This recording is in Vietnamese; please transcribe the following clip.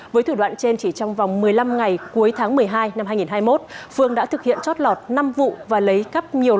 với thủ đoạn trên chỉ trong vòng một mươi năm ngày cuối tháng một mươi hai năm hai nghìn hai mươi một